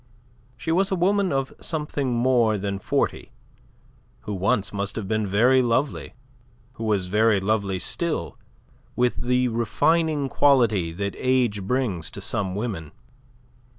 She was a woman of something more than forty, who once must have been very lovely, who was very lovely still with the refining quality that age brings to some women.